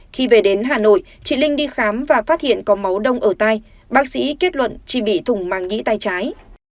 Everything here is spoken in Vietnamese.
khi về đến hà nội chị linh đi khám và phát hiện có máu đông ở tai bác sĩ kết luận chị bị thủng màng nhí tay trái